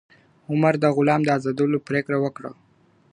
عمر د غلام د ازادولو پریکړه وکړه.